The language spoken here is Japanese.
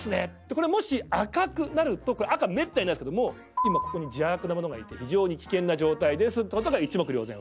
これもし赤くなると赤めったにないですけども「今ここに邪悪なものがいて非常に危険な状態です」って事が一目瞭然にわかる。